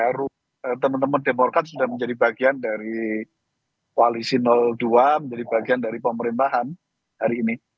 baru teman teman demokrat sudah menjadi bagian dari koalisi dua menjadi bagian dari pemerintahan hari ini